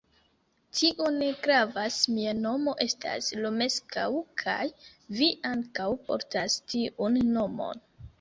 Tio ne gravas, mia nomo estas Romeskaŭ kaj vi ankaŭ portas tiun nomon.